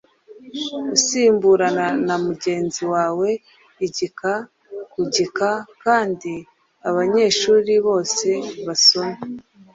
usimburana na mugenzi wawe igika ku gika kandi abanyeshuri bose basome